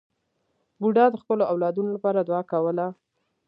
بوډا د خپلو اولادونو لپاره دعا کوله.